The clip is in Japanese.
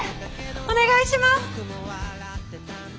お願いします！